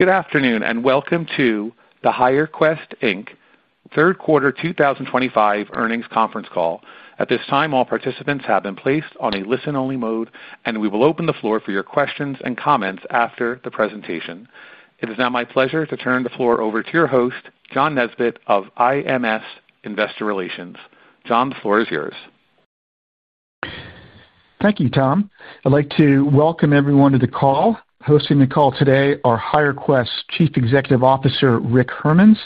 Good afternoon and welcome to the HireQuest third quarter 2025 earnings conference call. At this time, all participants have been placed on a listen-only mode, and we will open the floor for your questions and comments after the presentation. It is now my pleasure to turn the floor over to your host, John Nesbett of IMS Investor Relations. John, the floor is yours. Thank you, Tom. I'd like to welcome everyone to the call. Hosting the call today are HireQuest Chief Executive Officer Rick Hermanns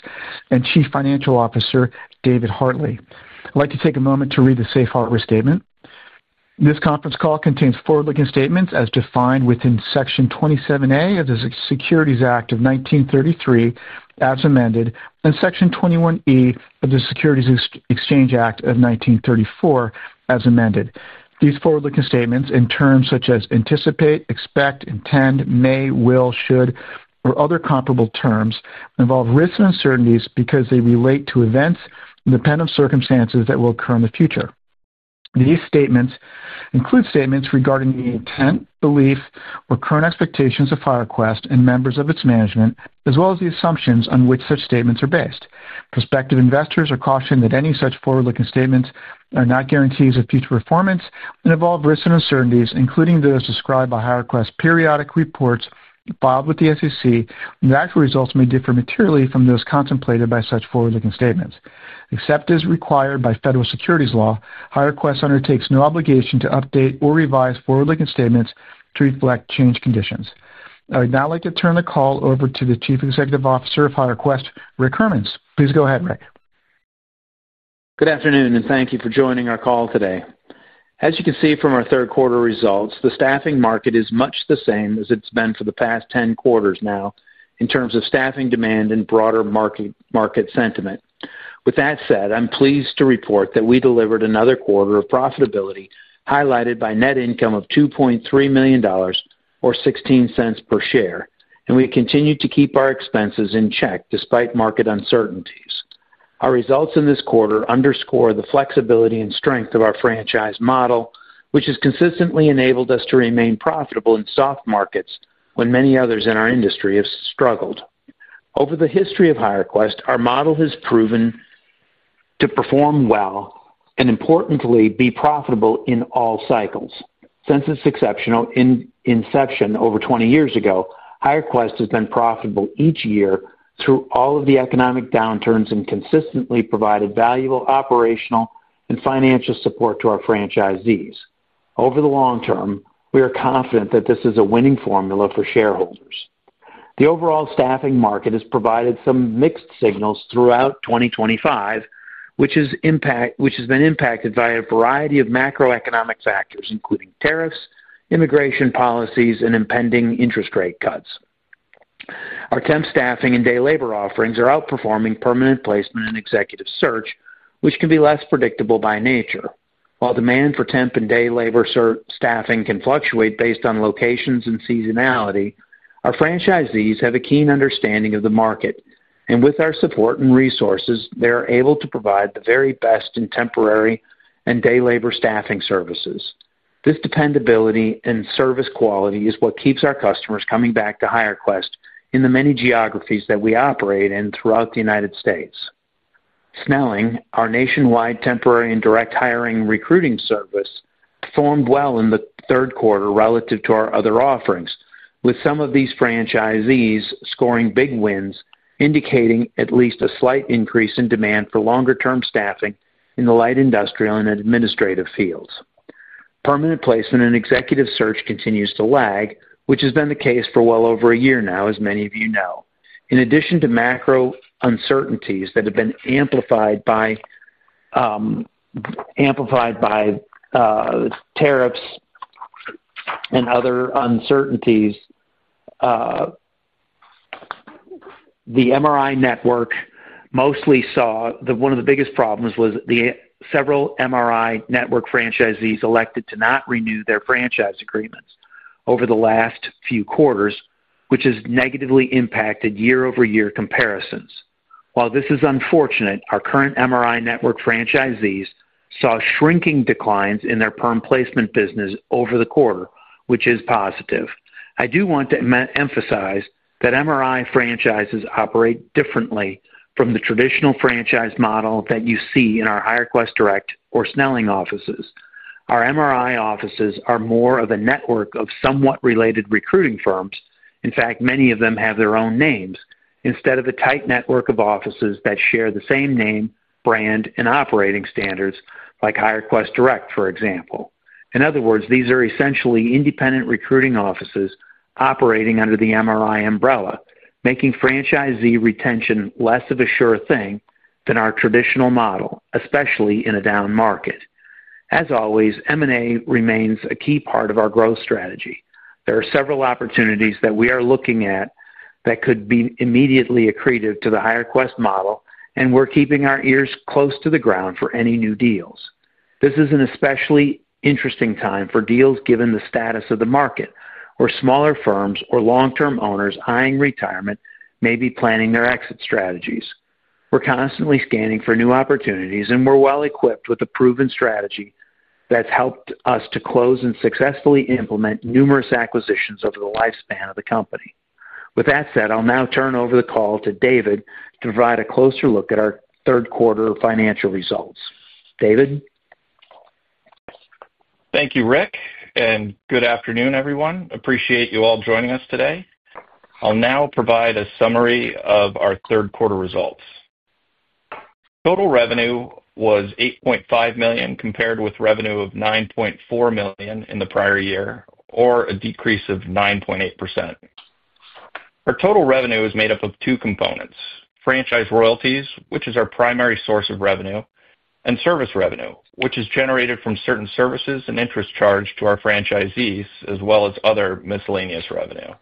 and Chief Financial Officer David Hartley. I'd like to take a moment to read the safe harbor statement. This conference call contains forward-looking statements as defined within Section 27A of the Securities Act of 1933, as amended, and Section 21E of the Securities Exchange Act of 1934, as amended. These forward-looking statements in terms such as anticipate, expect, intend, may, will, should, or other comparable terms involve risks and uncertainties because they relate to events and depend on circumstances that will occur in the future. These statements include statements regarding the intent, belief, or current expectations of HireQuest and members of its management, as well as the assumptions on which such statements are based. Prospective investors are cautioned that any such forward-looking statements are not guarantees of future performance and involve risks and uncertainties, including those described by HireQuest's periodic reports filed with the SEC, and the actual results may differ materially from those contemplated by such forward-looking statements. Except as required by federal securities law, HireQuest undertakes no obligation to update or revise forward-looking statements to reflect changed conditions. I would now like to turn the call over to the Chief Executive Officer of HireQuest, Rick Hermanns. Please go ahead, Rick. Good afternoon and thank you for joining our call today. As you can see from our third quarter results, the staffing market is much the same as it's been for the past 10 quarters now in terms of staffing demand and broader market sentiment. With that said, I'm pleased to report that we delivered another quarter of profitability highlighted by net income of $2.3 million, or $0.16 per share, and we continued to keep our expenses in check despite market uncertainties. Our results in this quarter underscore the flexibility and strength of our franchise model, which has consistently enabled us to remain profitable in soft markets when many others in our industry have struggled. Over the history of HireQuest, our model has proven to perform well and, importantly, be profitable in all cycles. Since its exceptional inception over 20 years ago, HireQuest has been profitable each year through all of the economic downturns and consistently provided valuable operational and financial support to our franchisees. Over the long term, we are confident that this is a winning formula for shareholders. The overall staffing market has provided some mixed signals throughout 2025, which has been impacted by a variety of macroeconomic factors, including tariffs, immigration policies, and impending interest rate cuts. Our temp staffing and day labor offerings are outperforming permanent placement and executive search, which can be less predictable by nature. While demand for temp and day labor staffing can fluctuate based on locations and seasonality, our franchisees have a keen understanding of the market, and with our support and resources, they are able to provide the very best in temporary and day labor staffing services. This dependability and service quality is what keeps our customers coming back to HireQuest in the many geographies that we operate in throughout the United States. Snelling, our nationwide temporary and direct hiring recruiting service, performed well in the third quarter relative to our other offerings, with some of these franchisees scoring big wins, indicating at least a slight increase in demand for longer-term staffing in the light industrial and administrative fields. Permanent placement and executive search continues to lag, which has been the case for well over a year now, as many of you know. In addition to macro uncertainties that have been amplified by tariffs and other uncertainties, the MRI Network mostly saw that one of the biggest problems was that several MRI Network franchisees elected to not renew their franchise agreements over the last few quarters, which has negatively impacted year-over-year comparisons. While this is unfortunate, our current MRI Network franchisees saw shrinking declines in their perm placement business over the quarter, which is positive. I do want to emphasize that MRI franchises operate differently from the traditional franchise model that you see in our HireQuest Direct or Snelling offices. Our MRI offices are more of a network of somewhat related recruiting firms. In fact, many of them have their own names instead of a tight network of offices that share the same name, brand, and operating standards like HireQuest Direct, for example. In other words, these are essentially independent recruiting offices operating under the MRI umbrella, making franchisee retention less of a sure thing than our traditional model, especially in a down market. As always, M&A remains a key part of our growth strategy. There are several opportunities that we are looking at that could be immediately accretive to the HireQuest model, and we're keeping our ears close to the ground for any new deals. This is an especially interesting time for deals given the status of the market, where smaller firms or long-term owners eyeing retirement may be planning their exit strategies. We're constantly scanning for new opportunities, and we're well equipped with a proven strategy that's helped us to close and successfully implement numerous acquisitions over the lifespan of the company. With that said, I'll now turn over the call to David to provide a closer look at our third quarter financial results. David. Thank you, Rick, and good afternoon, everyone. Appreciate you all joining us today. I'll now provide a summary of our third quarter results. Total revenue was $8.5 million compared with revenue of $9.4 million in the prior year, or a decrease of 9.8%. Our total revenue is made up of two components: franchise royalties, which is our primary source of revenue, and service revenue, which is generated from certain services and interest charged to our franchisees, as well as other miscellaneous revenue.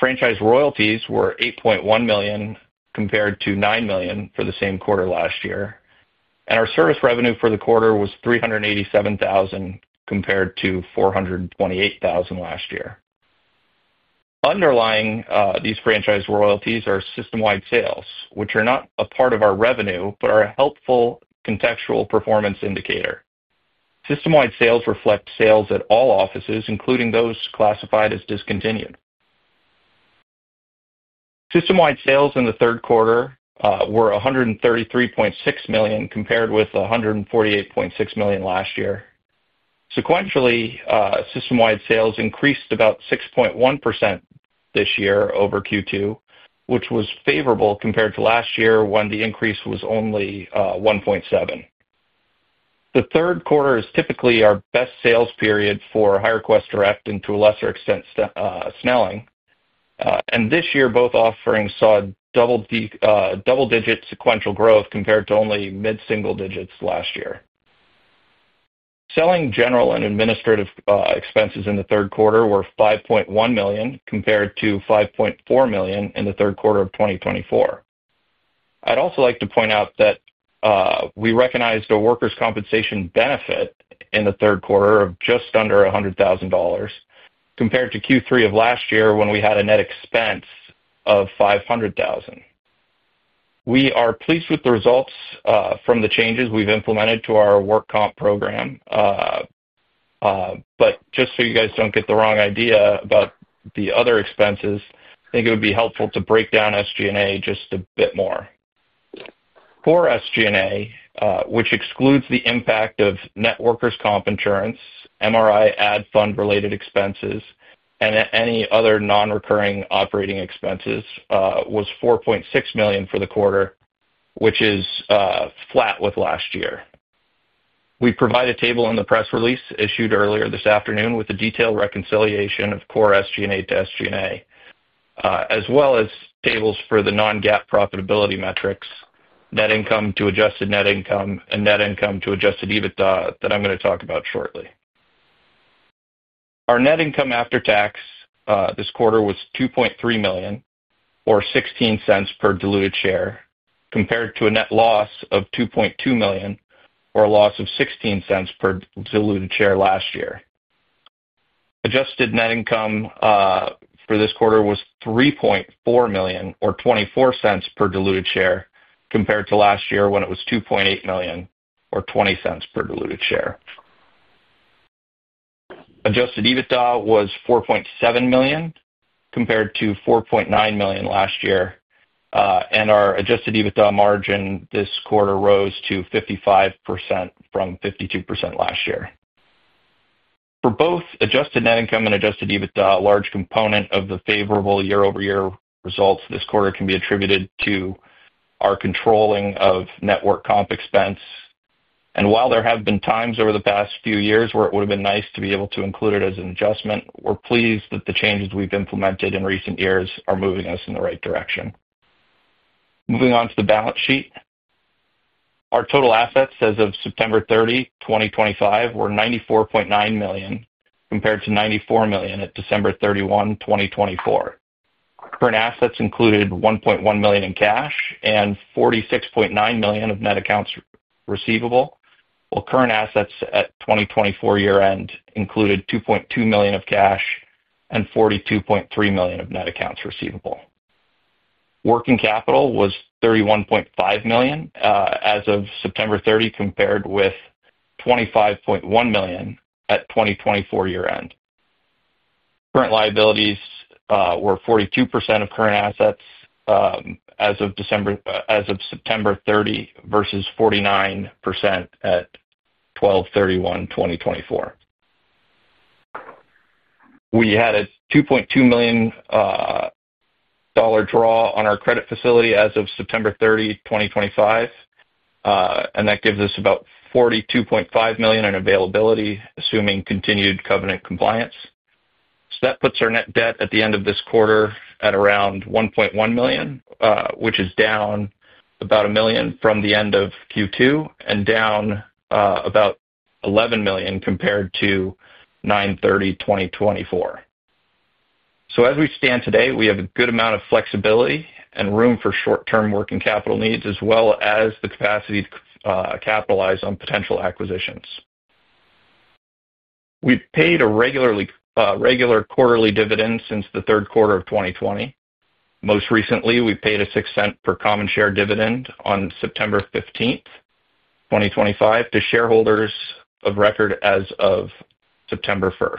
Franchise royalties were $8.1 million compared to $9 million for the same quarter last year, and our service revenue for the quarter was $387,000 compared to $428,000 last year. Underlying these franchise royalties are system-wide sales, which are not a part of our revenue but are a helpful contextual performance indicator. System-wide sales reflect sales at all offices, including those classified as discontinued. System-wide sales in the third quarter were $133.6 million compared with $148.6 million last year. Sequentially, system-wide sales increased about 6.1% this year over Q2, which was favorable compared to last year when the increase was only 1.7%. The third quarter is typically our best sales period for HireQuest Direct and, to a lesser extent, Snelling. This year, both offerings saw double-digit sequential growth compared to only mid-single digits last year. Selling, general, and administrative expenses in the third quarter were $5.1 million compared to $5.4 million in the third quarter of 2024. I'd also like to point out that we recognized a workers' compensation benefit in the third quarter of just under $100,000 compared to Q3 of last year when we had a net expense of $500,000. We are pleased with the results from the changes we've implemented to our work comp program. Just so you guys do not get the wrong idea about the other expenses, I think it would be helpful to break down SG&A just a bit more. For SG&A, which excludes the impact of net workers' comp insurance, MRI ad fund-related expenses, and any other non-recurring operating expenses, it was $4.6 million for the quarter, which is flat with last year. We provide a table in the press release issued earlier this afternoon with a detailed reconciliation of core SG&A to SG&A, as well as tables for the non-GAAP profitability metrics, net income to adjusted net income, and net income to adjusted EBITDA that I am going to talk about shortly. Our net income after tax this quarter was $2.3 million, or $0.16 per diluted share, compared to a net loss of $2.2 million, or a loss of $0.16 per diluted share last year. Adjusted net income for this quarter was $3.4 million, or $0.24 per diluted share, compared to last year when it was $2.8 million, or $0.20 per diluted share. Adjusted EBITDA was $4.7 million compared to $4.9 million last year, and our adjusted EBITDA margin this quarter rose to 55% from 52% last year. For both adjusted net income and adjusted EBITDA, a large component of the favorable year-over-year results this quarter can be attributed to our controlling of net work comp expense. While there have been times over the past few years where it would have been nice to be able to include it as an adjustment, we're pleased that the changes we've implemented in recent years are moving us in the right direction. Moving on to the balance sheet. Our total assets as of September 30, 2025, were $94.9 million compared to $94 million at December 31, 2024. Current assets included $1.1 million in cash and $46.9 million of net accounts receivable, while current assets at 2024 year-end included $2.2 million of cash and $42.3 million of net accounts receivable. Working capital was $31.5 million as of September 30 compared with $25.1 million at 2024 year-end. Current liabilities were 42% of current assets as of September 30 versus 49% at 12/31/2024. We had a $2.2 million draw on our credit facility as of September 30, 2025, and that gives us about $42.5 million in availability, assuming continued covenant compliance. That puts our net debt at the end of this quarter at around $1.1 million, which is down about $1 million from the end of Q2 and down about $11 million compared to 9/30/2024. As we stand today, we have a good amount of flexibility and room for short-term working capital needs, as well as the capacity to capitalize on potential acquisitions. We have paid a regular quarterly dividend since the third quarter of 2020. Most recently, we paid a $0.06 per common share dividend on September 15, 2025 to shareholders of record as of September 1.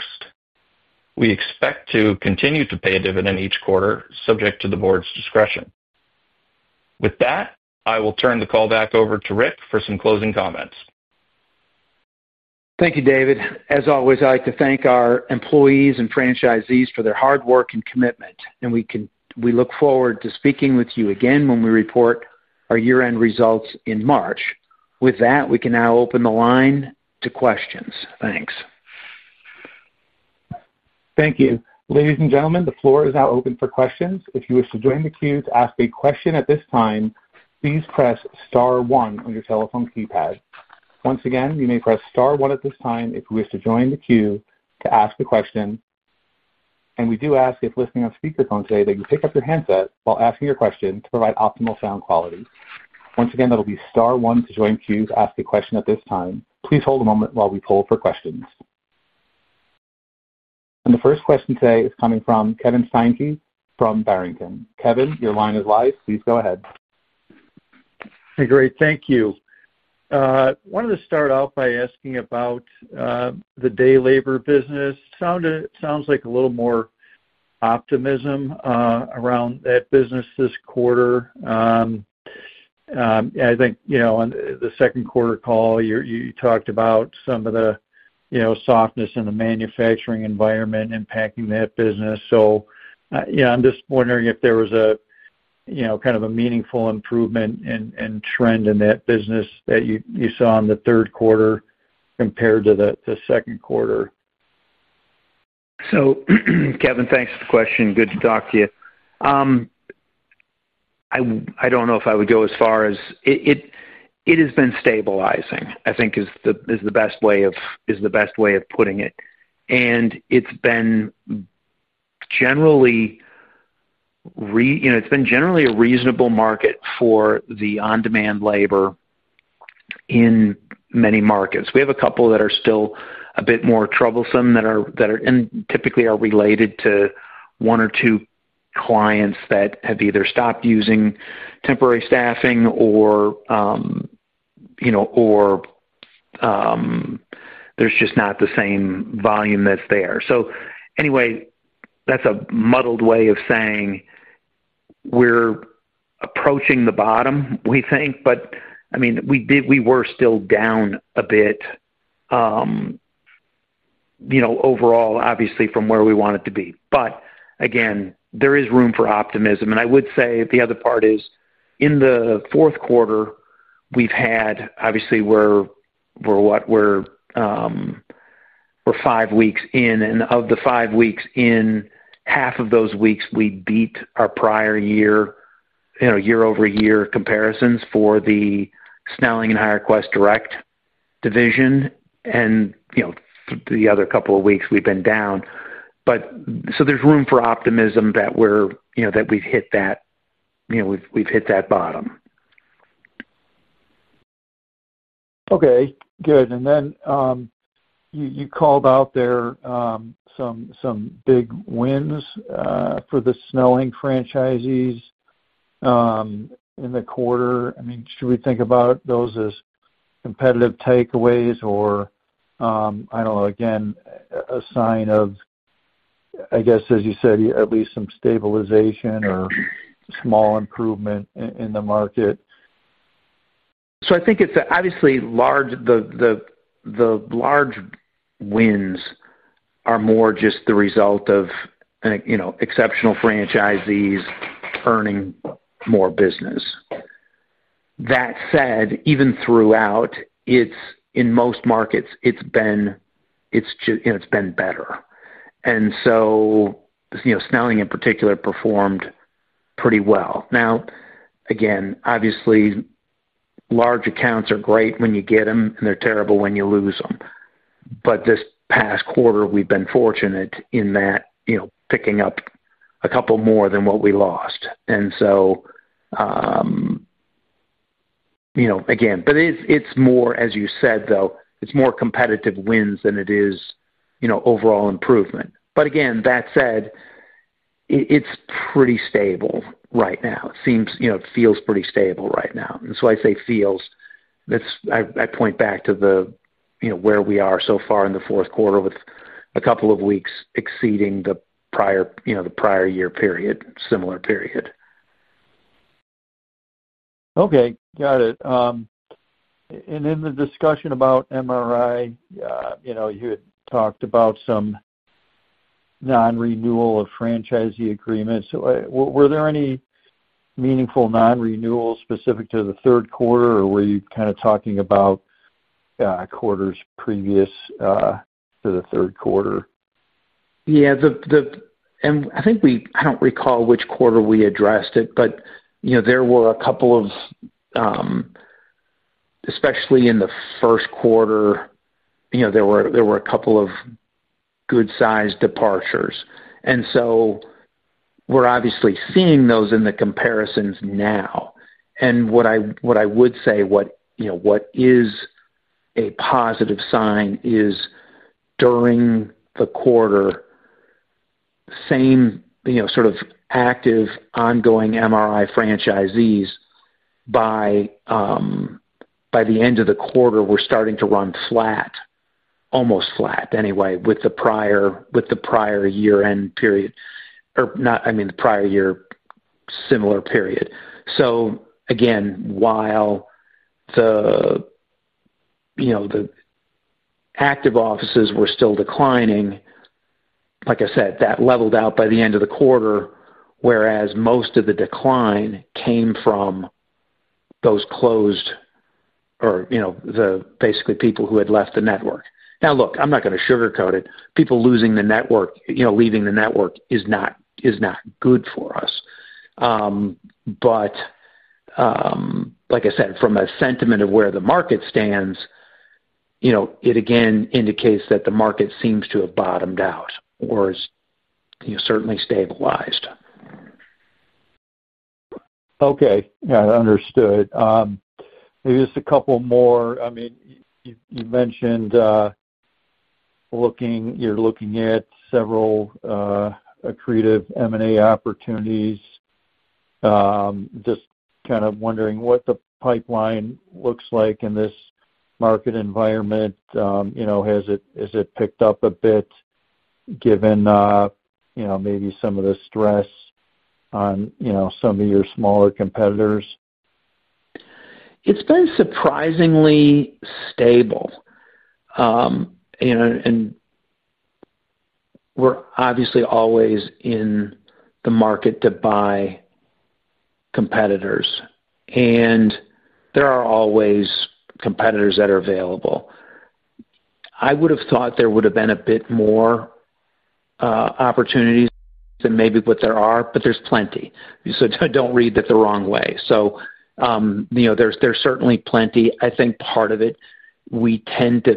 We expect to continue to pay a dividend each quarter, subject to the board's discretion. With that, I will turn the call back over to Rick for some closing comments. Thank you, David. As always, I'd like to thank our employees and franchisees for their hard work and commitment, and we look forward to speaking with you again when we report our year-end results in March. With that, we can now open the line to questions. Thanks. Thank you. Ladies and gentlemen, the floor is now open for questions. If you wish to join the queue to ask a question at this time, please press star 1 on your telephone keypad. Once again, you may press star 1 at this time if you wish to join the queue to ask a question. We do ask if listening on speakerphone today, that you pick up your handset while asking your question to provide optimal sound quality. Once again, that will be star 1 to join queue to ask a question at this time. Please hold a moment while we poll for questions. The first question today is coming from Kevin Steinke from Barrington. Kevin, your line is live. Please go ahead. Hey, great. Thank you. I wanted to start off by asking about the day labor business. Sounds like a little more optimism around that business this quarter. I think on the second quarter call, you talked about some of the softness in the manufacturing environment impacting that business. I'm just wondering if there was a kind of a meaningful improvement and trend in that business that you saw in the third quarter compared to the second quarter. Kevin, thanks for the question. Good to talk to you. I do not know if I would go as far as it has been stabilizing. I think is the best way of putting it. It has been generally a reasonable market for the on-demand labor in many markets. We have a couple that are still a bit more troublesome and typically are related to one or two clients that have either stopped using temporary staffing or there is just not the same volume that is there. Anyway, that is a muddled way of saying we are approaching the bottom, we think, but I mean, we were still down a bit overall, obviously, from where we wanted to be. Again, there is room for optimism. I would say the other part is in the fourth quarter, we have had, obviously, we are. Five weeks in, and of the five weeks in, half of those weeks, we beat our prior year. Year-over-year comparisons for the Snelling and HireQuest Direct division. The other couple of weeks, we've been down. There is room for optimism that we've hit that bottom. Okay. Good. You called out there some big wins for the Snelling franchisees in the quarter. I mean, should we think about those as competitive takeaways or, I do not know, again, a sign of, I guess, as you said, at least some stabilization or small improvement in the market? I think it's obviously large. Large wins are more just the result of exceptional franchisees earning more business. That said, even throughout, in most markets, it's been better. Snelling in particular performed pretty well. Now, obviously, large accounts are great when you get them, and they're terrible when you lose them. This past quarter, we've been fortunate in that, picking up a couple more than what we lost. Again, it's more, as you said, it's more competitive wins than it is overall improvement. That said, it's pretty stable right now. It feels pretty stable right now. I say feels. I point back to where we are so far in the fourth quarter, with a couple of weeks exceeding the prior year period, similar period. Okay. Got it. In the discussion about MRI, you had talked about some non-renewal of franchisee agreements. Were there any meaningful non-renewals specific to the third quarter, or were you kind of talking about quarters previous to the third quarter? Yeah. I think we—I do not recall which quarter we addressed it, but there were a couple of, especially in the first quarter, there were a couple of good-sized departures. We are obviously seeing those in the comparisons now. What I would say, what is a positive sign is, during the quarter, same sort of active ongoing MRI franchisees, by the end of the quarter, were starting to run flat, almost flat anyway, with the prior year-end period, or not—I mean, the prior year, similar period. Again, while the active offices were still declining, like I said, that leveled out by the end of the quarter, whereas most of the decline came from those closed, or basically people who had left the network. Now, look, I am not going to sugarcoat it. People losing the network, leaving the network, is not good for us. But. Like I said, from a sentiment of where the market stands. It again indicates that the market seems to have bottomed out or certainly stabilized. Okay. Yeah, I understood. Maybe just a couple more. I mean, you mentioned you're looking at several accretive M&A opportunities. Just kind of wondering what the pipeline looks like in this market environment. Has it picked up a bit, given maybe some of the stress on some of your smaller competitors? It's been surprisingly stable. We're obviously always in the market to buy competitors, and there are always competitors that are available. I would have thought there would have been a bit more opportunities than maybe what there are, but there's plenty, so don't read that the wrong way. There's certainly plenty. I think part of it, we tend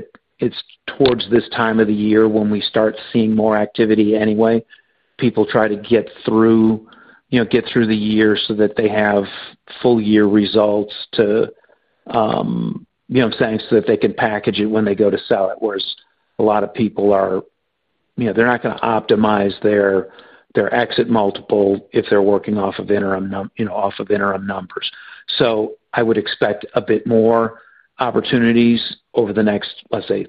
to—it's towards this time of the year when we start seeing more activity anyway. People try to get through the year so that they have full-year results to—you know what I'm saying?—so that they can package it when they go to sell it, whereas a lot of people are not going to optimize their exit multiple if they're working off of interim numbers. I would expect a bit more opportunities over the next, let's say.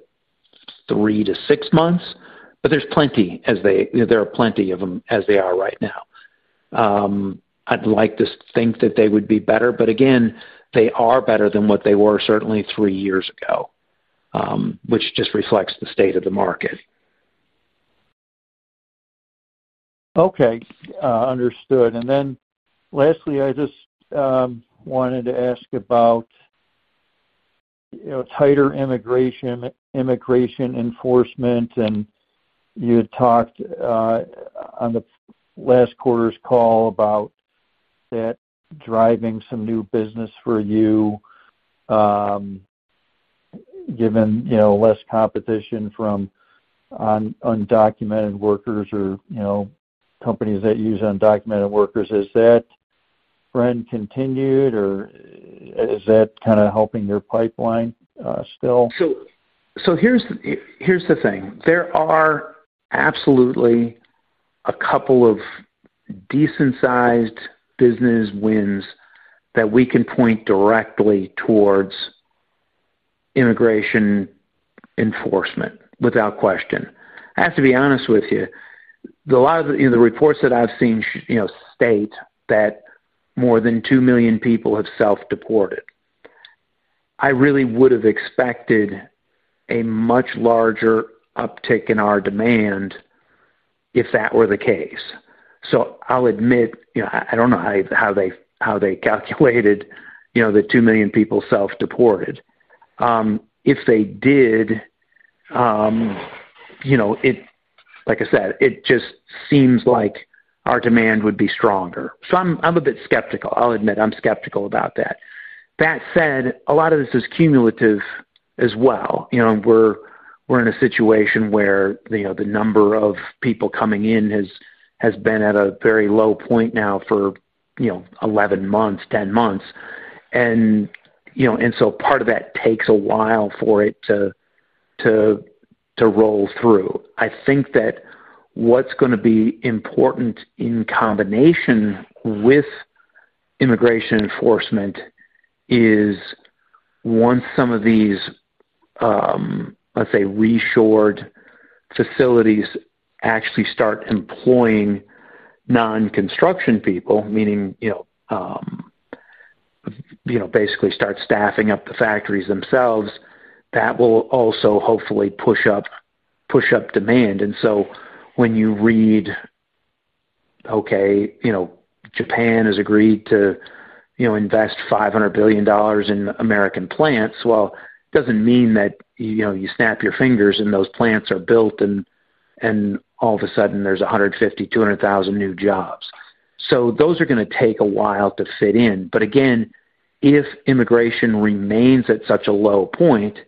Three to six months, but there are plenty of them as they are right now. I'd like to think that they would be better, but again, they are better than what they were certainly three years ago. Which just reflects the state of the market. Okay. Understood. Lastly, I just wanted to ask about tighter immigration enforcement. You had talked on the last quarter's call about that driving some new business for you, given less competition from undocumented workers or companies that use undocumented workers. Has that trend continued, or is that kind of helping your pipeline still? Here's the thing. There are absolutely a couple of decent-sized business wins that we can point directly towards immigration enforcement, without question. I have to be honest with you. A lot of the reports that I've seen state that more than 2 million people have self-deported. I really would have expected a much larger uptick in our demand if that were the case. I'll admit, I don't know how they calculated that 2 million people self-deported, if they did. Like I said, it just seems like our demand would be stronger. I'm a bit skeptical. I'll admit, I'm skeptical about that. That said, a lot of this is cumulative as well. We're in a situation where the number of people coming in has been at a very low point now for 11 months, 10 months. Part of that takes a while for it to. Roll through. I think that what's going to be important in combination with immigration enforcement is once some of these, let's say, reshored facilities actually start employing non-construction people, meaning basically start staffing up the factories themselves, that will also hopefully push up demand. When you read, "Okay, Japan has agreed to invest $500 billion in American plants," it does not mean that you snap your fingers and those plants are built, and all of a sudden, there are 150,000-200,000 new jobs. Those are going to take a while to fit in. Again, if immigration remains at such a low point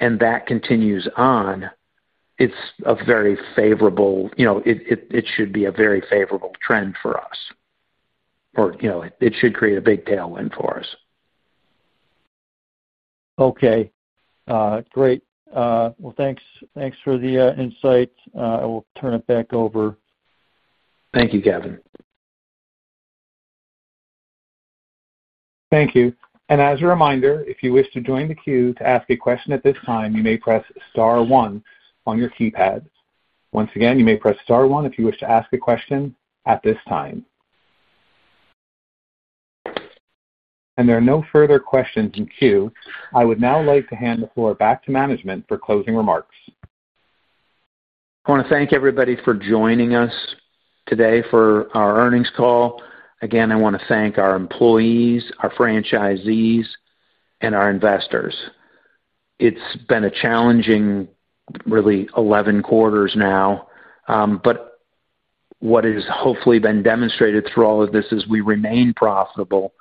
and that continues on, it is a very favorable—it should be a very favorable trend for us. It should create a big tailwind for us. Okay. Great. Thanks for the insight. I will turn it back over. Thank you, Kevin. Thank you. As a reminder, if you wish to join the queue to ask a question at this time, you may press star one on your keypad. Once again, you may press star one if you wish to ask a question at this time. There are no further questions in queue. I would now like to hand the floor back to management for closing remarks. I want to thank everybody for joining us today for our earnings call. Again, I want to thank our employees, our franchisees, and our investors. It's been challenging. Really, 11 quarters now. What has hopefully been demonstrated through all of this is we remain profitable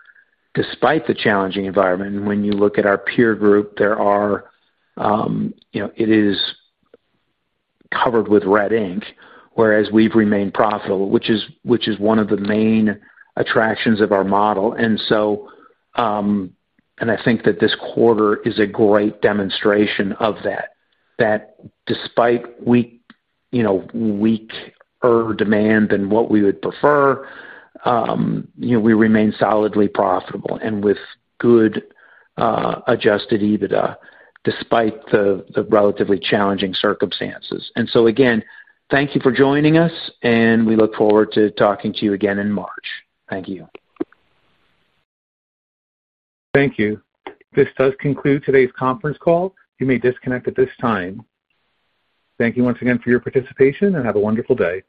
despite the challenging environment. When you look at our peer group, it is covered with red ink, whereas we've remained profitable, which is one of the main attractions of our model. I think that this quarter is a great demonstration of that. That despite weaker demand than what we would prefer, we remain solidly profitable and with good adjusted EBITDA despite the relatively challenging circumstances. Again, thank you for joining us, and we look forward to talking to you again in March. Thank you. Thank you. This does conclude today's conference call. You may disconnect at this time. Thank you once again for your participation, and have a wonderful day.